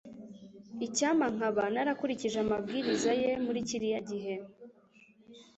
Icyampa nkaba narakurikije amabwiriza ye muri kiriya gihe